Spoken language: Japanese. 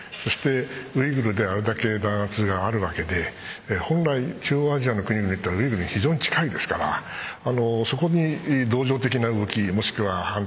ウイグルであれだけ弾圧があるわけで本来、中央アジアの国々はウイグルに近いですからそこに同情的な動き